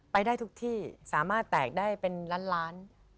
ได้ทุกที่สามารถแตกได้เป็นล้านล้าน